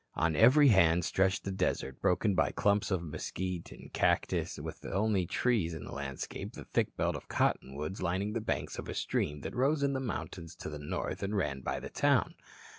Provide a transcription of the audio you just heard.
On every hand stretched the desert, broken by clumps of mesquite and cactus with the only trees in the landscape the thick belt of cottonwoods lining the banks of a stream that rose in the mountains to the north and ran by the town.